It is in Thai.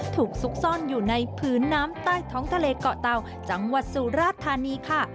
ซุกซ่อนอยู่ในพื้นน้ำใต้ท้องทะเลเกาะเตาจังหวัดสุราธานีค่ะ